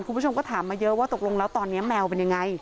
คุณผู้ชมก็ถามมาเยอะว่าตกลงแล้วตอนนี้แมวเป็นยังไง